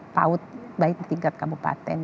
paut baik di tingkat kabupaten